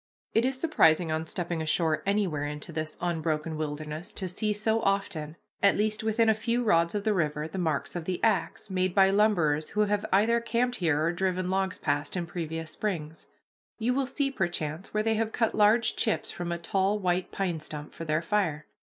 It is surprising on stepping ashore anywhere into this unbroken wilderness to see so often, at least within a few rods of the river, the marks of the axe, made by lumberers who have either camped here or driven logs past in previous springs. You will see perchance where they have cut large chips from a tall white pine stump for their fire.